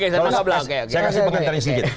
saya kasih pengantar yang sedikit